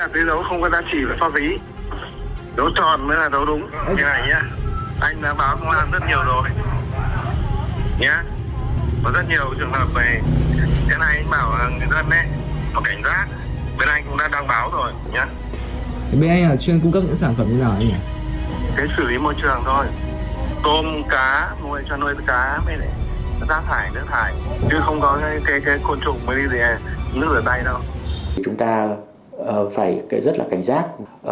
bởi vì chúng ta phải rất là cảnh giác